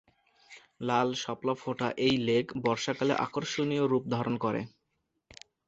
লাল শাপলা ফোটা এই লেক বর্ষাকালে আকর্ষণীয় রূপ ধারণ করে।